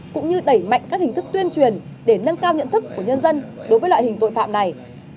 cũng như đẩy mạnh các hình thức tuyên truyền để nâng cao nhận thức của nhân dân đối với loại hình tội phạm này